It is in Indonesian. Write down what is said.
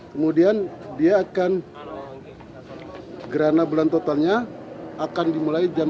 kemudian gerhana bulan totalnya akan dimulai jam empat tiga puluh